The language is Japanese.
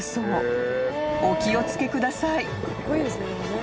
［お気を付けください］